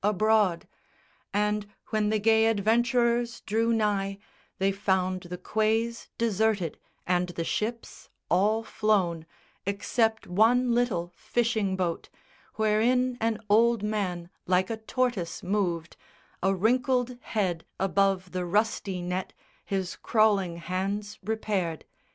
abroad, And when the gay adventurers drew nigh They found the quays deserted, and the ships All flown, except one little fishing boat Wherein an old man like a tortoise moved A wrinkled head above the rusty net His crawling hands repaired.